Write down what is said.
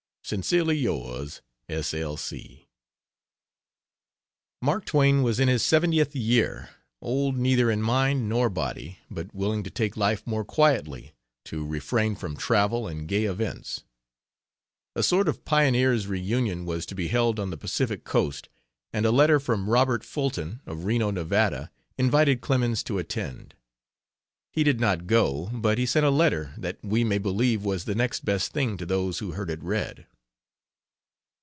Sincerely yours, S. L. C. Mark Twain was in his seventieth year, old neither in mind nor body, but willing to take life more quietly, to refrain from travel and gay events. A sort of pioneers' reunion was to be held on the Pacific Coast, and a letter from Robert Fulton, of Reno, Nevada, invited Clemens to attend. He did not go, but he sent a letter that we may believe was the next best thing to those who heard it read.